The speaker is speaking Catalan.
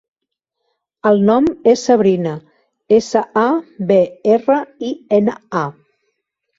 El nom és Sabrina: essa, a, be, erra, i, ena, a.